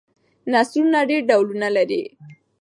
نثر ډېر ډولونه لري.